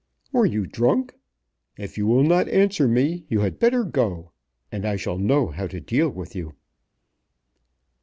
"Were you drunk? If you will not answer me you had better go, and I shall know how to deal with you."